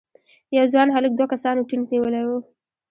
یو ځوان هلک دوه کسانو ټینک نیولی و.